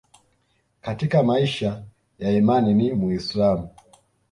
Katika maisha ya imani ni Muislamu